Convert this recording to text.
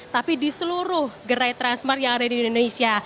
tapi di seluruh gerai transmart yang ada di indonesia